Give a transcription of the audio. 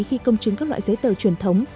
khi công chứng các loại giấy tờ truyền thống